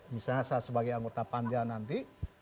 misalnya saya sebagai anggota panja nanti